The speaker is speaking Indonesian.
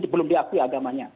belum diakui agamanya